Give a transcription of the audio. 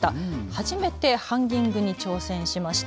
初めてハンギングに挑戦しました。